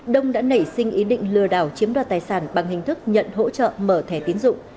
đông đã nảy sinh ý định lừa đảo chiếm đoạt tài sản bằng hình thức nhận hỗ trợ mở thẻ tiến dụng